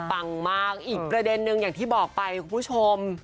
ปังมากอีกประเด็นนึงอย่างที่บอกไปคุณผู้ชม